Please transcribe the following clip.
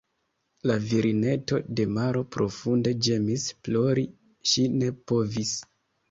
La virineto de maro profunde ĝemis, plori ŝi ne povis.